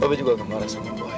papi juga gak marah sama boy